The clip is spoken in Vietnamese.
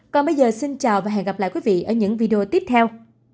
còn bây giờ xin chào và hẹn gặp lại quý vị ở những video tiếp theo